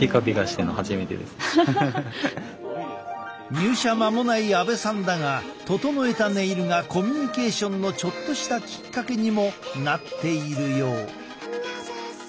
入社間もない阿部さんだが整えたネイルがコミュニケーションのちょっとしたきっかけにもなっているよう。